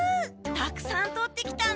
たくさんとってきたんだね。